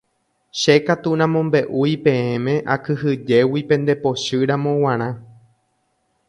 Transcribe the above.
Che katu namombe'úi peẽme akyhyjégui pendepochýramo g̃uarã.